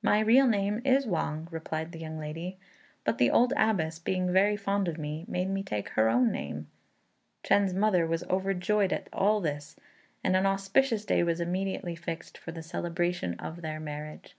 "My real name is Wang," replied the young lady; "but the old Abbess, being very fond of me, made me take her own name." Chên's mother was overjoyed at all this, and an auspicious day was immediately fixed for the celebration of their marriage.